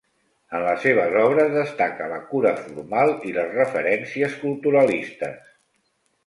En les seves obres, destaca la cura formal i les referències culturalistes.